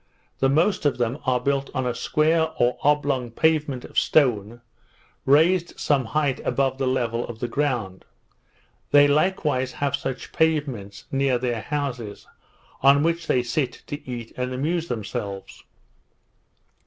The most of them are built on a square or oblong pavement of stone, raised some height above the level of the ground. They likewise have such pavements near their houses, on which they sit to eat and amuse themselves.